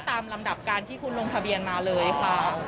ตามลำดับการที่คุณลงทะเบียนมาเลยค่ะ